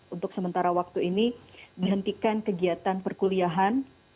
untuk sementara waktu ini dihentikan kegiatan perkuliahan